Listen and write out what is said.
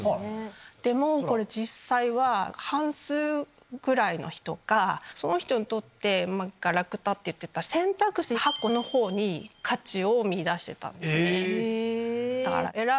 でも実際は半数ぐらいの人がその人にとってガラクタっていってた選択肢８個の方に価値を見いだしてたんですね。